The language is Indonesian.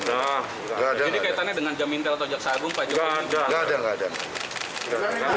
jadi kaitannya dengan jam intel atau jaksa agung pak joko